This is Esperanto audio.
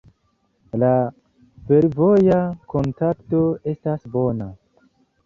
La fervoja kontakto estas bona.